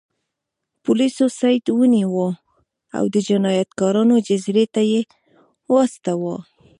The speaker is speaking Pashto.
پولیسو سید ونیو او د جنایتکارانو جزیرې ته یې واستاوه.